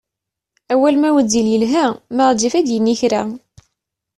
Awal ma wezzil yelha ma ɣezzif ad yini kra!